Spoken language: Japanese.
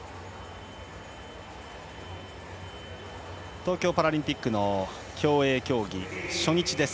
東京パラリンピックの競泳競技初日です。